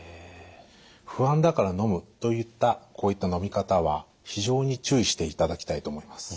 「不安だからのむ」といったこういったのみ方は非常に注意していただきたいと思います。